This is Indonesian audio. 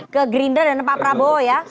ke gerindra dan pak prabowo ya